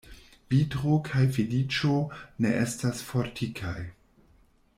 Vitro kaj feliĉo ne estas fortikaj.